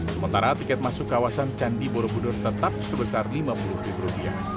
sementara tiket masuk kawasan candi borobudur tetap sebesar lima puluh ribu rupiah